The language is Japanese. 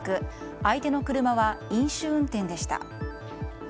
相手の車は飲酒運転でした。